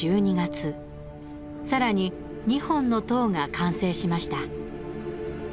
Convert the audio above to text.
更に２本の塔が完成しました。